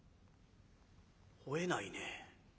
ほえないね。